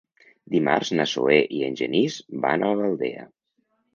Dimarts na Zoè i en Genís van a l'Aldea.